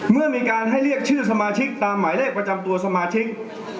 เมื่อมีการให้เรียกชื่อสมาชิกตามหมายเลขประจำตัวสมาชิก